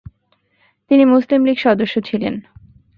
তিনি মুসলিম লীগ সদস্য ছিলেন।